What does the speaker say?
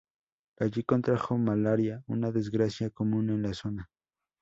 Allí contrajo malaria, una desgracia común en la zona.